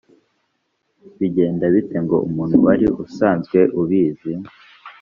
bigenda bite ngo umuntu wari usanzwe ubizi